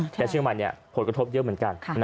แต่เชียงใหม่ผลกระทบเยอะเหมือนกัน